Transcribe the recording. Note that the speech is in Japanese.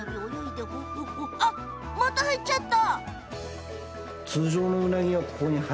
また入っちゃった。